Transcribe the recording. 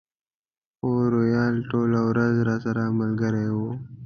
خو روهیال ټوله ورځ راسره ملګری و.